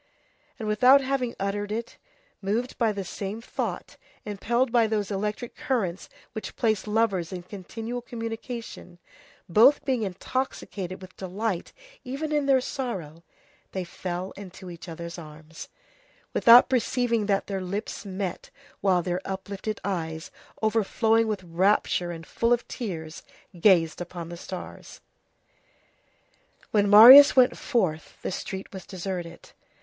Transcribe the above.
And without having uttered it, moved by the same thought, impelled by those electric currents which place lovers in continual communication, both being intoxicated with delight even in their sorrow, they fell into each other's arms, without perceiving that their lips met while their uplifted eyes, overflowing with rapture and full of tears, gazed upon the stars. When Marius went forth, the street was deserted.